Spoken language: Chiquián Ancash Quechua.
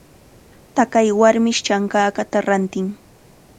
Taqay warmish chankakata rantin.